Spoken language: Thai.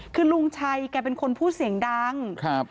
คือลุงชัยแกเป็นคนพูดเสียงดังครับ